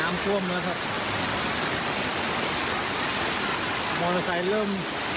มอเตอร์ไซด์เริ่ม